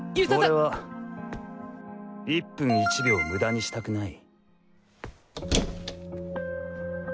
俺は１分１秒無駄にしたくない。